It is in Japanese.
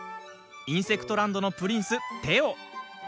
インセクトランドのプリンステオ。